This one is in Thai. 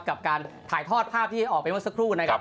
กับการถ่ายทอดภาพที่ออกไปเมื่อสักครู่นะครับ